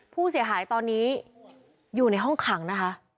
ผู้เสียหายตอนนี้อยู่ในห้องขังนะคะ